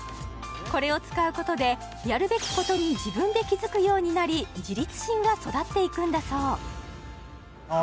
これを使うことでやるべきことに自分で気づくようになり自立心が育っていくんだそうああ